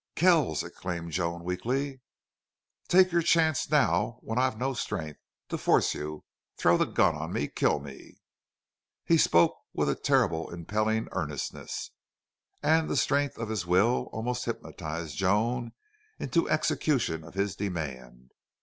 "Kells!" exclaimed Joan, weakly. "Take your chance now when I've no strength to force you.... Throw the gun on me.... Kill me!" He spoke with a terrible impelling earnestness, and the strength of his will almost hypnotized Joan into execution of his demand.